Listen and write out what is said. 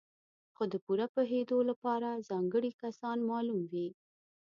خو د پوره پوهېدو لپاره ځانګړي کسان معلوم وي.